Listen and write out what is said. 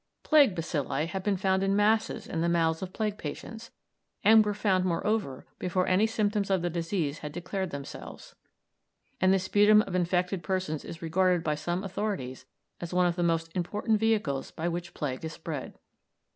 Plague bacilli have been found in masses in the mouths of plague patients, and were found, moreover, before any symptoms of the disease had declared themselves; and the sputum of infected persons is regarded by some authorities as one of the most important vehicles by which plague is spread.